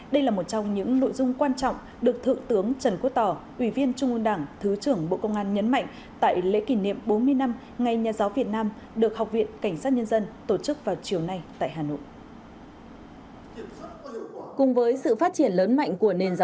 đây là một trong những nội dung quan trọng được thượng tướng trần quốc tỏ ủy viên trung ương đảng thứ trưởng bộ công an nhấn mạnh tại lễ kỷ niệm bốn mươi năm ngày nhà giáo việt nam được học viện cảnh sát nhân dân tổ chức vào chiều nay tại hà nội